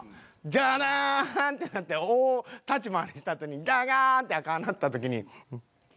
ダダンってなって大立ち回りしたあとにガガンって赤なった時に。